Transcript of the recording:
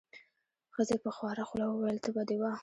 ښځې په خواره خوله وویل: تبه دې وه.